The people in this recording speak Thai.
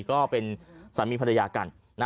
ก็เป็นสามีภรรยากัน